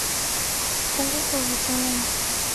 Upungufu wa vitamini A husababisha upofu kwa watoto